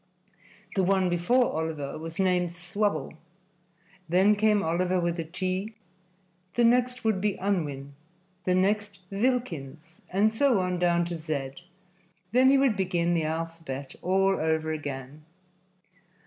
The one before Oliver was named Swubble; then came Oliver with a T; the next would be Unwin, the next Vilkins, and so on down to Z. Then he would begin the alphabet all over again.